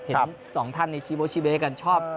เพราะฉะนั้น๒ท่านในชีวโบชิเบลให้กันชอบ